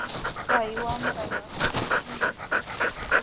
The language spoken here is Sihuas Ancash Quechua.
Kay wamraqa kullusikimi.